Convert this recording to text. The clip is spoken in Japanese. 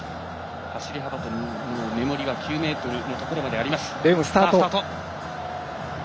走り幅跳びメモリは９ｍのところまであります。